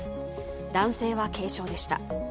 男性は軽傷でした。